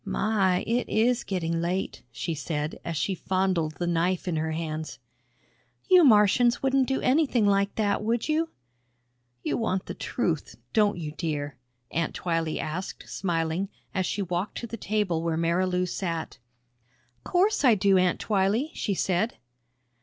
"My, it is getting late," she said as she fondled the knife in her hands. "You Martians wouldn't do anything like that, would you?" "You want the truth, don't you, dear?" Aunt Twylee asked, smiling, as she walked to the table where Marilou sat. "'Course I do, Aunt Twylee," she said.